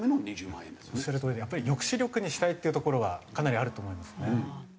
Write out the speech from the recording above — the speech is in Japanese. おっしゃるとおりで抑止力にしたいっていうところはかなりあると思いますね。